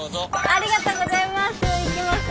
ありがとうございます！